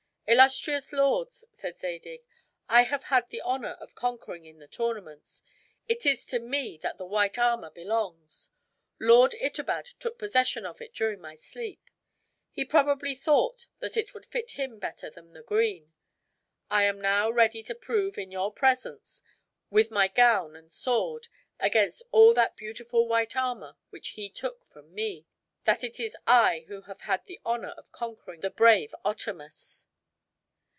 "Illustrious lords," said Zadig, "I have had the honor of conquering in the tournaments. It is to me that the white armor belongs. Lord Itobad took possession of it during my sleep. He probably thought that it would fit him better than the green. I am now ready to prove in your presence, with my gown and sword, against all that beautiful white armor which he took from me, that it is I who have had the honor of conquering the brave Otamus."